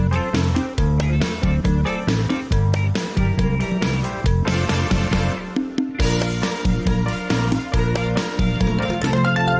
คุณผู้ชมค่ะรอสะบัดกันอย่างเต็มที่